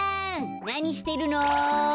なにしてるの？